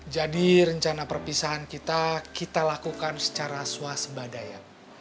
jadi rencana perpisahan kita kita lakukan secara swas badaya